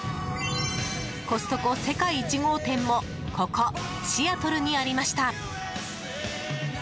コストコ世界１号店もここシアトルにありました。